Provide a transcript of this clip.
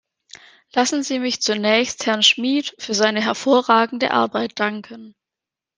Lassen Sie mich zunächst Herrn Schmid für seine hervorragende Arbeit danken.